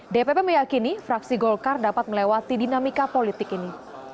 dpp meyakini fraksi golkar dapat melewati dinamika politik ini